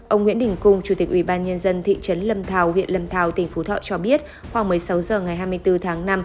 ông nguyễn đình cung chủ tịch ubnd thị trấn lâm thao huyện lâm thao tỉnh phú thọ cho biết khoảng một mươi sáu h ngày hai mươi bốn tháng năm